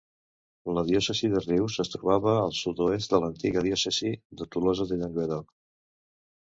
La diòcesi de Rius es trobava al sud-oest de l'antiga diòcesi de Tolosa de Llenguadoc.